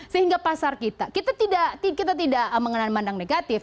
sehingga pasar kita kita tidak mengenal mandang negatif